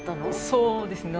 そうですね。